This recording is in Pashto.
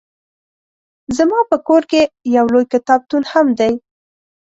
زما په کور کې يو لوی کتابتون هم دی